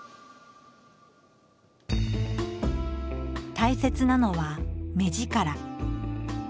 大切なのは目力。